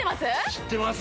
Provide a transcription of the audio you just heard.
知ってます